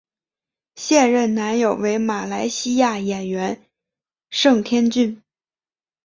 现任男友为马来西亚演员盛天俊。